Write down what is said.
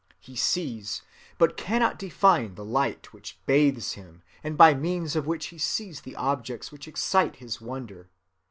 He sees, but cannot define the light which bathes him and by means of which he sees the objects which excite his wonder.